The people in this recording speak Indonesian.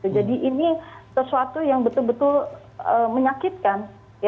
jadi ini sesuatu yang betul betul menyakitkan